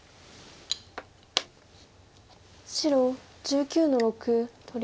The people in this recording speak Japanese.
白１９の六取り。